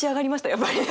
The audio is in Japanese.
やっぱり。